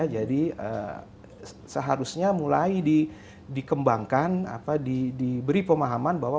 jadi seharusnya mulai dikembangkan diberi pemahaman bahwa